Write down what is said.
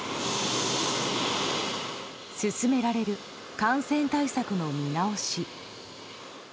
進められる感染対策の見直し。